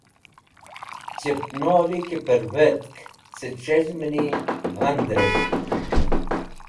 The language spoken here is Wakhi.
Chẽnoli ki pẽrvetk cẽ c̃hez̃hmẽni g̃hand rek̃hk.